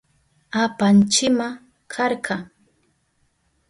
Apanchima karka.